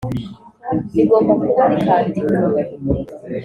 rigomba kuba rikandika